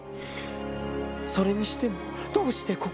「それにしてもどうしてここへ？